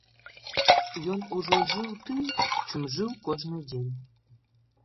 Ён ужо жыў тым, чым жыў кожны дзень.